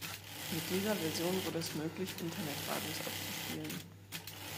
Mit dieser Version wurde es möglich Internet-Radios abzuspielen.